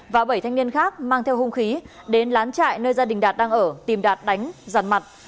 và bảy thanh niên khác mang theo hung khí đến lán trại nơi gia đình đạt đang ở tìm đạt đánh giàn mặt